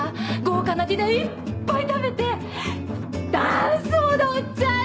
豪華なディナーいっぱい食べてダンス踊っちゃう！